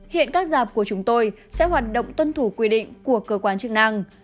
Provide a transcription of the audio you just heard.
hiện các giảp của chúng tôi sẽ hoạt động tuân thủ quy định của cơ quan chức năng